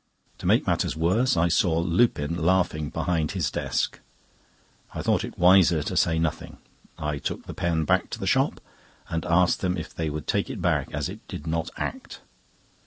To make matters worse, I saw Lupin laughing behind his desk. I thought it wiser to say nothing. I took the pen back to the shop and asked them if they would take it back, as it did not act.